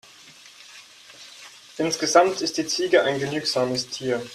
Insgesamt ist die Ziege ein genügsames Tier.